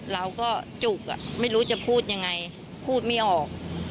เราก็จุกไม่รู้จะพูดยังไงพูดไม่ออก